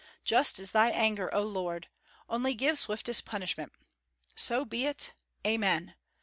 Just is thy anger, O Lord! only give swiftest punishment. So be it! Amen!